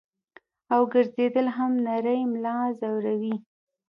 او ګرځېدل هم نرۍ ملا زوري -